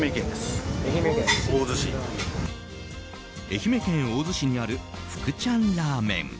愛媛県大洲市にある福ちゃんラーメン。